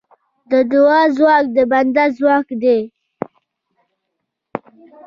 د دعا ځواک د بنده ځواک دی.